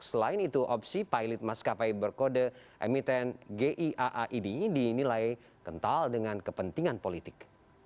selain itu opsi pilot maskapai berkode emiten giaa ini dinilai kental dengan kepentingan politik